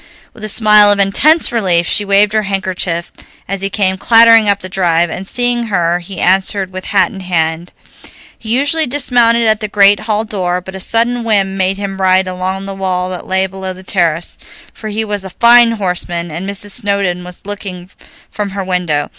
With a smile of intense relief she waved her handkerchief as he came clattering up the drive, and seeing her he answered with hat and hand. He usually dismounted at the great hall door, but a sudden whim made him ride along the wall that lay below the terrace, for he was a fine horseman, and Mrs. Snowdon was looking from her window.